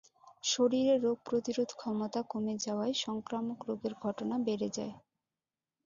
শরীরে রোগ প্রতিরোধ ক্ষমতা কমে যাওয়ায় সংক্রামক রোগের ঘটনা বেড়ে যায়।